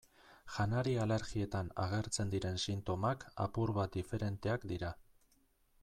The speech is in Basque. Janari-alergietan agertzen diren sintomak apur bat diferenteak dira.